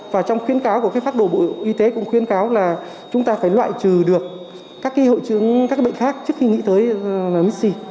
và trong khuyến cáo của phát đồ bộ y tế cũng khuyến cáo là chúng ta phải loại trừ được các bệnh khác trước khi nghĩ tới mis c